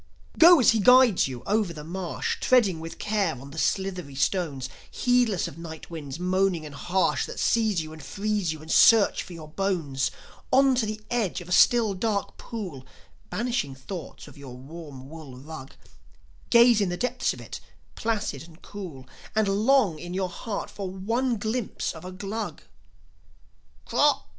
Go as he guides you, over the marsh, Treading with care on the slithery stones, Heedless of night winds moaning and harsh That seize you and freeze you and search for your bones. On to the edge of a still, dark pool, Banishing thoughts of your warm wool rug; Gaze in the depths of it, placid and cool, And long in your heart for one glimpse of a Glug. "Krock!"